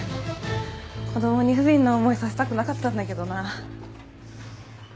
子供に不憫な思いさせたくなかったんだけどな。